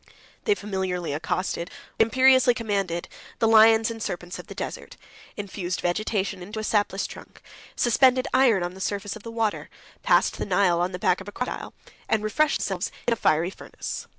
They familiarly accosted, or imperiously commanded, the lions and serpents of the desert; infused vegetation into a sapless trunk; suspended iron on the surface of the water; passed the Nile on the back of a crocodile, and refreshed themselves in a fiery furnace.